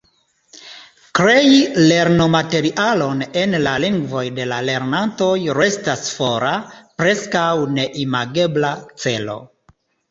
Krei lernomaterialon en la lingvoj de la lernantoj restas fora, preskaŭ neimagebla celo.